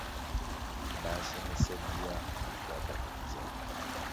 Baasomeseddwa ku bikwata ku kuzaala.